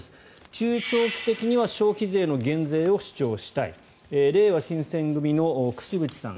中長期的には消費税の減税を主張したいれいわ新選組の櫛渕さん。